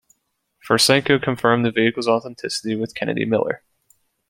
Fursenko confirmed the vehicle's authenticity with Kennedy Miller.